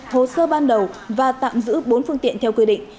hồ sơ ban đầu và tạm giữ bốn phương tiện theo quy định